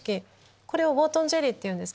これをウォートンジェリーというんです。